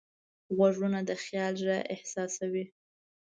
غوږونه د خیال غږ احساسوي